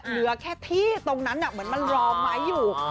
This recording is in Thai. เหลือแค่ที่ตรงนั้นเหมือนมันรอไม้อยู่